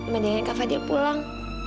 mendingan kak fadil pulang